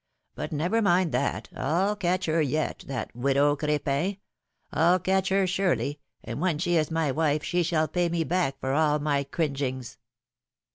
But never mind that, VW catch her yet, that widow Cr^pin — I'll catch her surely, and when she is my wife she shall pay me back for all my cringings."